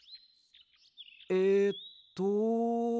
えっと。